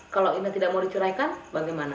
kalau inah tidak mau diceraikan bagaimana